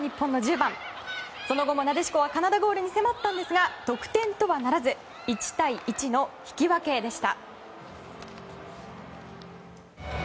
その後も、なでしこはカナダゴールに迫ったんですが得点とはならず１対１の引き分けでした。